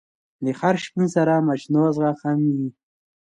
د هر شپون سره مچناغزه هم وی.